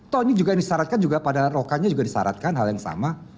tau ini juga disaratkan padahal rokannya juga disaratkan hal yang sama